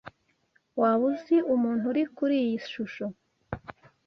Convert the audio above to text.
Waba uzi umuntu uri kuri iyi shusho?